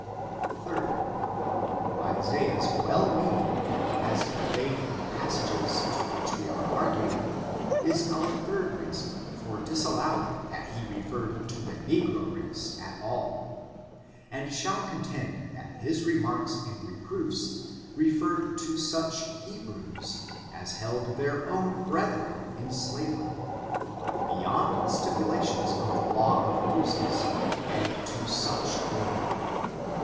3d. Isaiah's real meaning, as conveyed in the pas sages to which we are arguing, is our third reason f FORTUNES. OF THE NEGRO RACE. 328 9 for disallowing that he referred to the negro race at all, and shall contend that his remarks and reproofs, referred to such Hebrews as held their own brethren in slavery, beyond the stipulations of the law of Mo ses, and t0|such only.